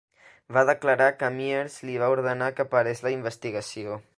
Va declarar que Miers li va ordenar que parés la investigació.